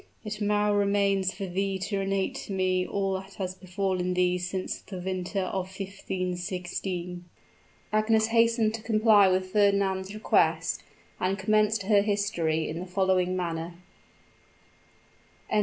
It now remains for thee to narrate to me all that has befallen thee since the winter of 1516." Agnes hastened to comply with Fernand's request, and commenced her history in the following manner: CHAPTER VIII.